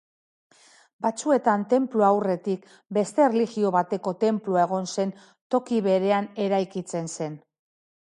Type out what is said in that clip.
Batzuetan tenplua aurretik beste erlijio bateko tenplua egon zen toki berean eraikitzen zen.